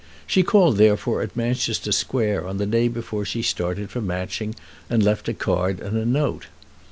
She called therefore at Manchester Square on the day before she started for Matching, and left a card and a note.